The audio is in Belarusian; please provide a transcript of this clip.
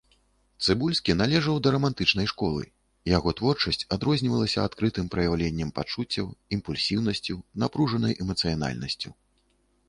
Цыбульскі належаў да рамантычнай школы, яго творчасць адрознівалася адкрытым праяўленнем пачуццяў, імпульсіўнасцю, напружанай эмацыянальнасцю.